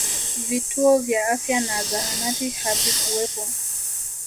vituo vya afya na zahanati havikuwepo